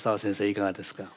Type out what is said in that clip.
いかがですか？